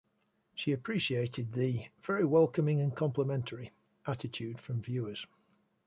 She appreciated the "very welcoming and complimentary" attitude from viewers.